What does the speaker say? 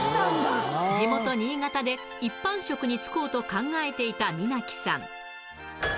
地元、新潟で一般職に就こうと考えていた皆木さん。